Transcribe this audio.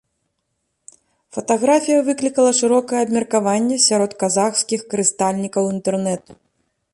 Фатаграфія выклікала шырокае абмеркаванне сярод казахскіх карыстальнікаў інтэрнэту.